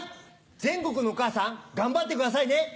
全国のお母さん頑張ってくださいね。